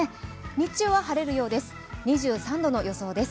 日中は晴れるようです。